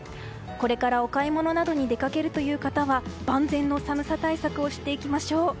これからお買い物などに出かけるという方は万全の寒さ対策をしていきましょう。